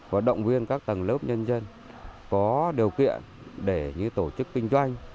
và động viên các tầng lớp nhân dân có điều kiện để như tổ chức kinh doanh